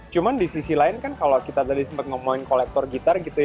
cuma di sisi lain kan kalau kita tadi sempat ngomongin kolektor gitar gitu ya